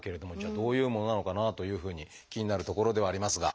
あどういうものなのかなというふうに気になるところではありますが。